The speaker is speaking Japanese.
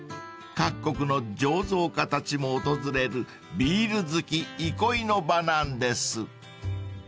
［各国の醸造家たちも訪れるビール好き憩いの場なんです］